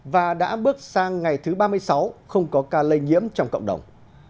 và đã bước sang ngày thứ ba mươi sáu không có ca lây nhiễm trong cộng đồng